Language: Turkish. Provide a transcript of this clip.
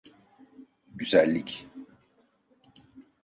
Güzellik.